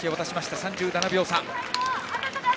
３７秒差。